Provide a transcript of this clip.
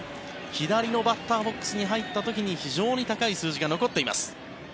左のバッターボックスに入った時に非常に高い数字が残っています。